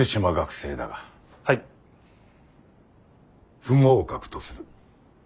不合格とする。